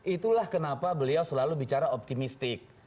itulah kenapa beliau selalu bicara optimistik